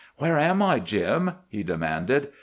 "Where am I, Jim?" he demanded.